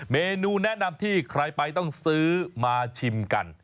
เมนูแนะนำที่ใครไปต้องซื้อมาชิมกัน